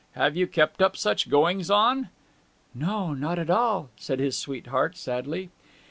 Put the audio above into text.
Have you kept up such goings on?' 'No, not at all!' said his sweetheart, sadly.